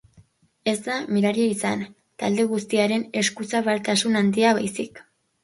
Ez da miraria izan, talde guztiaren eskuzabaltasun handia baizik.